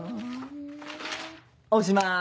おしまい。